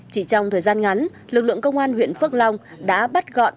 chỉ trong thời gian ngắn lực lượng công an huyện phước long đã bắt gọn